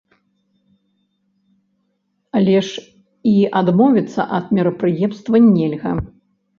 Але ж і адмовіцца ад мерапрыемства нельга.